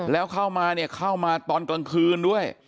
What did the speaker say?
แล้วเข้ามาเนี่ยเข้ามาตอนกลางคืนด้วย